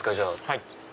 はい。